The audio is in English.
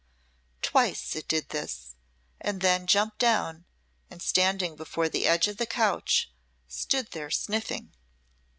Twice it did this, and then jumped down, and standing before the edge of the couch, stood there sniffing.